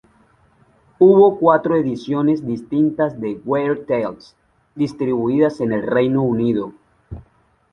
Hubo cuatro ediciones distintas de "Weird Tales" distribuidas en el Reino Unido.